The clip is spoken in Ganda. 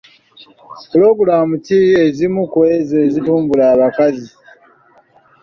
Pulogulaamu ki ezimu ku ezo ezitumbula abakazi?